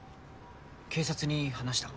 警察に話した？